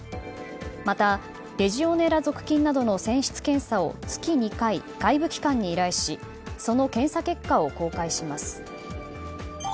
また、レジオネラ属菌などの泉質検査を月２回、外部機関に依頼しその検査結果を公開します。